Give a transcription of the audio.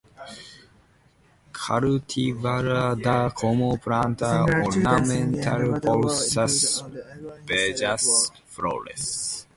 Cultivada como planta ornamental por sus bellas flores.